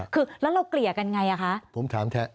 คือแล้วเราเกลี่ยกันอย่างไรคะ